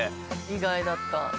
意外だった。